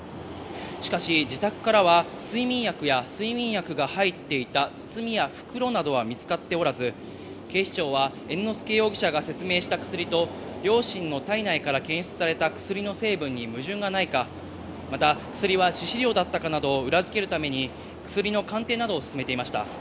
しかし自宅からは睡眠薬や睡眠薬が入っていた包みや袋などは見つかっておらず、警視庁は猿之助容疑者が説明した薬と両親の体内から検出された薬の成分に矛盾がないか、また薬は致死量だったかなどを裏付けるために薬の鑑定などを進めていました。